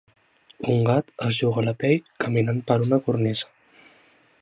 Un gat es juga la pell caminant per una cornisa.